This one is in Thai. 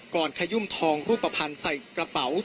ขยุ่มทองรูปภัณฑ์ใส่กระเป๋า